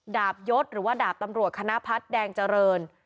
ดาบยศหรือว่าดาบตำรวจคณะพัฒน์แดงเจริญ